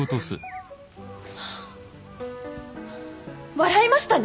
笑いましたね？